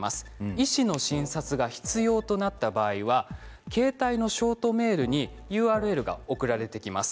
医師の診察が必要となった場合は携帯のショートメールにＵＲＬが送られてきます。